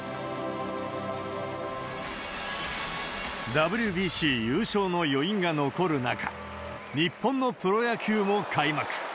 ＷＢＣ優勝の余韻が残る中、日本のプロ野球も開幕。